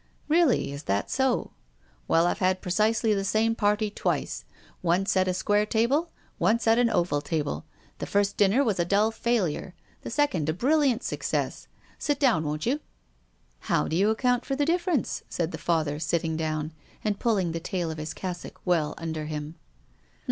"Really. Is that so?" " Well, I've had precisely the same party twice, once at a square table, once at an oval table. The first dinner was a dull failure, the second a brilliant success. Sit down, won't " How d'you account for the difference ?" said the Father, sitting down, and pulling the tail of his cassock well under him. H*m.